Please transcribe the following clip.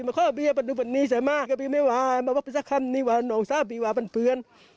บอกพี่สักคำนี้ว่าเปลี่ยนสาธารณะผิวปันเผือน